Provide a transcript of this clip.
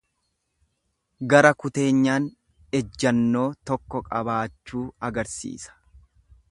Gara kuteenyaan ejjannoo tokko qabaachuu agarsiisa.